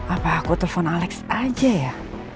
apa aku telepon alex aja ya